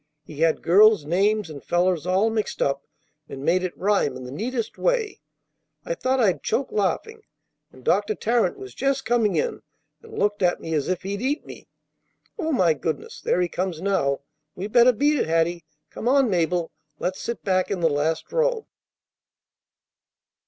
He had girls' names and fellers' all mixed up, and made it rhyme in the neatest way. I thought I'd choke laughing, and Dr. Tarrant was just coming in, and looked at me as if he'd eat me. Oh, my goodness! There he comes now. We better beat it, Hattie. Come on, Mabel. Let's sit back in the last row."